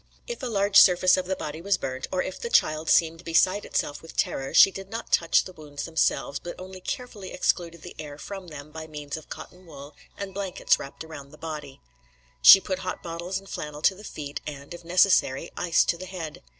"If a large surface of the body was burnt, or if the child seemed beside itself with terror, she did not touch the wounds themselves, but only carefully excluded the air from them by means of cotton wool and blankets wrapped around the body. She put hot bottles and flannel to the feet, and, if necessary, ice to the head.